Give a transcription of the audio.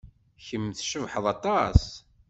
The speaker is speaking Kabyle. Kemm tcebḥeḍ aṭas.